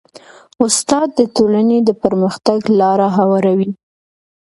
استاد د ټولنې د پرمختګ لاره هواروي.